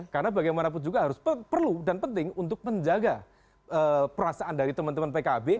karena bagaimanapun juga harus perlu dan penting untuk menjaga perasaan dari teman teman pkb